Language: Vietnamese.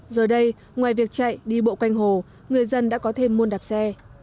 giờ đây ngoài việc chạy đi bộ quanh hồ người dân đã có thêm môn đạp xe